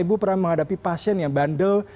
ibu pernah menghadapi pasien yang bandel